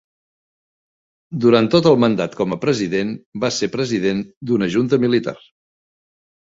Durant tot el mandat com a president va ser president d'una junta militar.